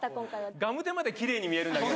ガムテまできれいに見えるんだけど。